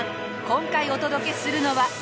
今回お届けするのは。